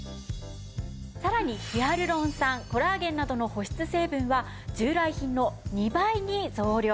さらにヒアルロン酸コラーゲンなどの保湿成分は従来品の２倍に増量。